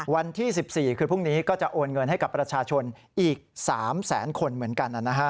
วันที่๑๔คือพรุ่งนี้ก็จะโอนเงินให้กับประชาชนอีก๓แสนคนเหมือนกัน